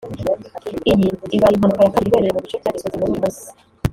Iyi ibaye impanuka ya kabiri ibereye mu bice bya Gisozi muri uyu munsi